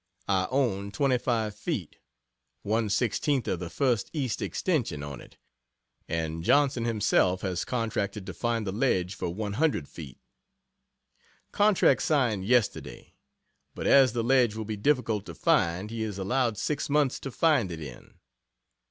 I own 25 feet (1 16) of the 1st east ex. on it and Johnson himself has contracted to find the ledge for 100 feet. Contract signed yesterday. But as the ledge will be difficult to find he is allowed six months to find it in.